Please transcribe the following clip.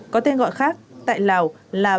có tên gọi khác tại lào là